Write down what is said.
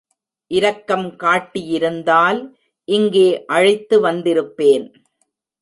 இரக்கம் காட்டியிருந்தால், இங்கே அழைத்து வந்திருப்பேன்.